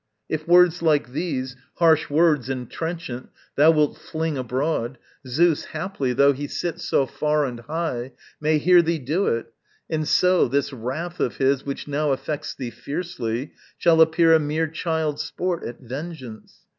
If words like these, Harsh words and trenchant, thou wilt fling abroad, Zeus haply, though he sit so far and high, May hear thee do it, and so, this wrath of his Which now affects thee fiercely, shall appear A mere child's sport at vengeance.